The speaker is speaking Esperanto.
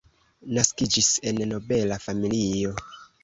Naskiĝis en nobela familio.